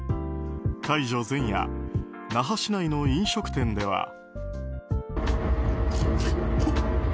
解除前夜那覇市内の飲食店では。